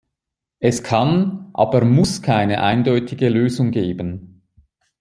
Es kann, aber muss keine eindeutige Lösung geben.